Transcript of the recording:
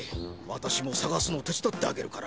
私も捜すの手伝ってあげるから。